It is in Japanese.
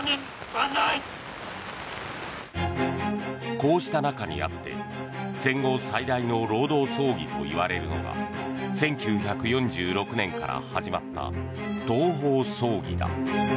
こうした中にあって戦後最大の労働争議といわれるのが１９４６年から始まった東宝争議だ。